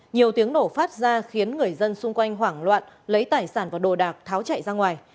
nhiều tiếng nổ phát ra khiến người dân xung quanh hoảng loạn lấy tài sản và đồ đạc tháo chạy ra ngoài